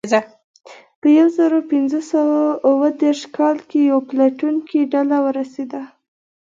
په یو زرو پینځه سوه اوه دېرش کال کې یوه پلټونکې ډله ورسېده.